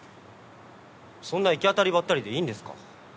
そんな行き当たりばったりでいいんですか？